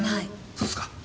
そうすか？